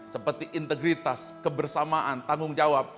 seperti integritas kebersamaan tanggung jawab